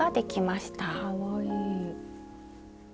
かわいい。